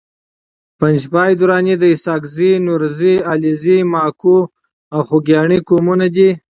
پنجپاي دراني د اسحاقزي، نورزي، علیزي، ماکو او خوګیاڼي قومونو دي